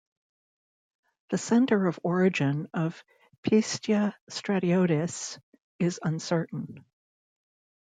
The center of origin of "Pistia stratiotes" is uncertain.